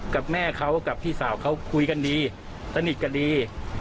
กับแม่เขากับพี่สาวเขาคุยกันดีสนิทกันดี